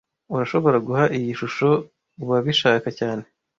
Urashobora guha iyi shusho uwabishaka cyane